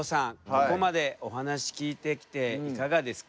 ここまでお話聞いてきていかがですか。